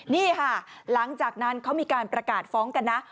นี่ค่ะหลังจากนั้นเขามีการประกาศฟ้องกันนะ